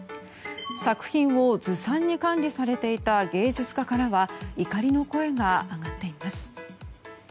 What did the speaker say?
作品をずさんに管理されていた芸術家からは怒りの声が上がっています。